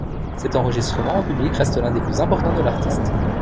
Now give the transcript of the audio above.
Cet enregistrement en public reste l'un des plus importants de l'artiste.